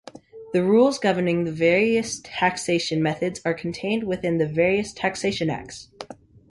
The rules governing the various taxation methods are contained within the various taxation Acts.